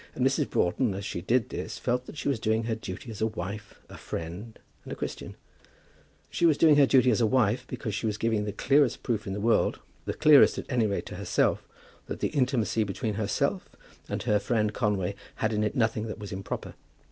And Mrs. Broughton, as she did this, felt that she was doing her duty as a wife, a friend, and a Christian. She was doing her duty as a wife, because she was giving the clearest proof in the world, the clearest at any rate to herself, that the intimacy between herself and her friend Conway had in it nothing that was improper.